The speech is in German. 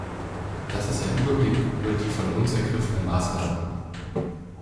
Das ist ein Überblick über die von uns ergriffenen Maßnahmen.